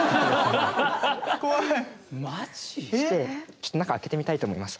ちょっと中開けてみたいと思います。